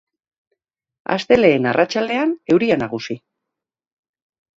Astelehen arratsaldean euria nagusi.